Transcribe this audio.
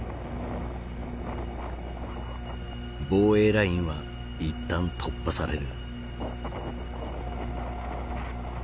防衛ラインは一旦突破される。